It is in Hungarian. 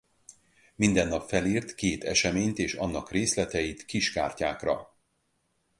Mindennap felírt két eseményt és annak részleteit kis kártyákra.